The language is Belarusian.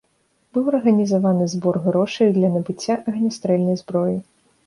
Быў арганізаваны збор грошай для набыцця агнястрэльнай зброі.